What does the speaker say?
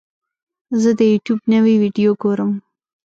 زه د یوټیوب نوې ویډیو ګورم.